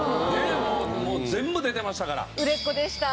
もう全部出てましたから。